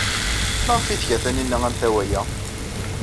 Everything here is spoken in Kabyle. Maɣef ay tga Taninna amtawa-a?